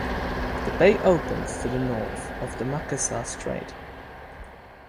The bay opens to the north of the Makassar Strait.